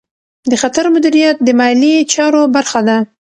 د خطر مدیریت د مالي چارو برخه ده.